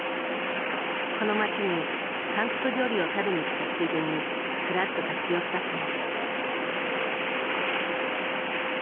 この街に韓国料理を食べに来たついでにふらっと立ち寄ったそう。